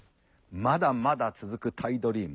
まだまだ続くタイドリーム。